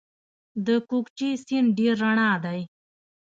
د کوکچې سیند ډیر رڼا دی